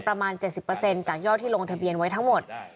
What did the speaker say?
ประมาณ๗๐จากยอดที่ลงทะเบียนไว้ทั้งหมด